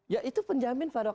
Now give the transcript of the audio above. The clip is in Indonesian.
ya itu penjamin pak dok